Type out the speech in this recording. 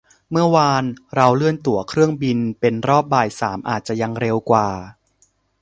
เมื่อวานเราเลื่อนตั๋วเครื่องบินเป็นรอบบ่ายสามอาจจะยังเร็วกว่า